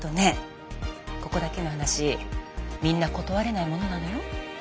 ここだけの話みんな断れないものなのよ？